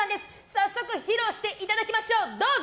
早速披露していただきましょう。